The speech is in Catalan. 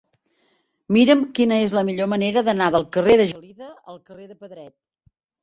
Mira'm quina és la millor manera d'anar del carrer de Gelida al carrer de Pedret.